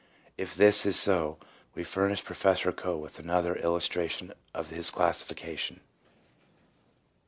If this is so, we furnish Professor Coe with another illustration of his classification.